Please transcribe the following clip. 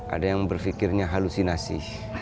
ada yang berfikirnya halusinasi